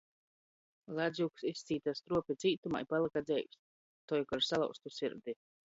Ladzuks izcīte struopi cītumā i palyka dzeivs, tok ar salauztu sirdi.